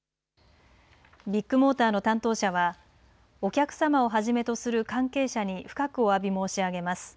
ビッグモーターの担当者はお客さまをはじめとする関係者に深くおわび申し上げます。